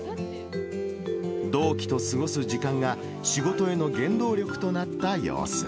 同期と過ごす時間が仕事への原動力となった様子。